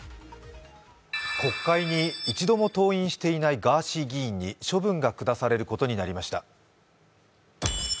国会に一度も登院していないガーシー議員に処分が下されることになりました。